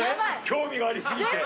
興味があり過ぎて。